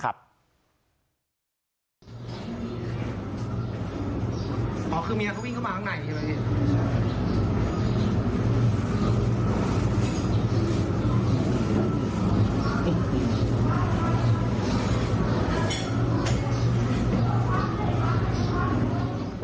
อ๋อคือเมียเขาวิ่งเข้ามาข้างในเลย